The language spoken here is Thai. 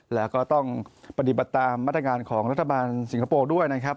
แล้วก็ต้องปฏิบัติตามมาตรการของรัฐบาลสิงคโปร์ด้วยนะครับ